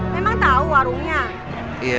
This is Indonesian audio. memang tau warungnya